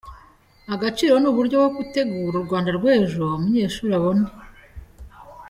agaciro n’uburyo bwo gutegura urwanda rw’ejo; Umunyeshuli abone